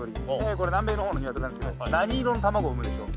これ南米の方の鶏なんですけど何色の卵を生むでしょう？